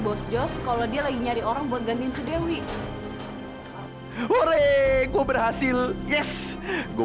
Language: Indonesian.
mai mai tunggu dulu